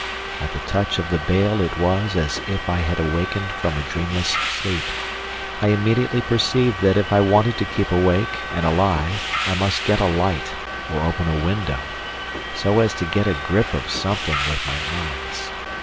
At the touch of the bale it was as if I had awakened from a dreamless sleep. I immediately perceived that if I wanted to keep awake and alive I must get a light or open a window, so as to get a grip of something with my eyes.